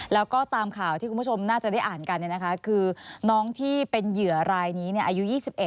แล้วก็ตามข่าวที่คุณผู้ชมน่าจะได้อ่านกันคือน้องที่เป็นเหยื่อรายนี้อายุ๒๑